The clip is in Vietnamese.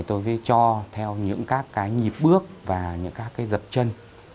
thì tôi sẽ cho theo những cái nhịp bước và những cái dập chân